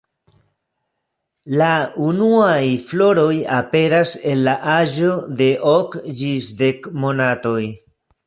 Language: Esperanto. La unuaj floroj aperas en la aĝo de ok ĝis dek monatoj.